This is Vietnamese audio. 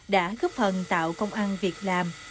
đã góp phần tạo công ăn việc làm